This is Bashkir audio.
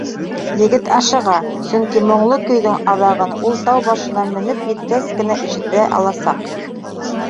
Егет ашыға, сөнки моңло көйҙөң аҙағын ул тау башына менеп еткәс кенә ишетә аласаҡ.